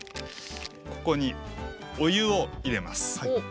ここにお湯を入れます。